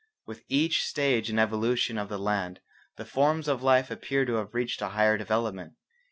With each stage in the evolution of the land the forms of life appear to have reached a higher development.